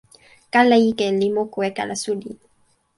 kala ike li moku e kala suli.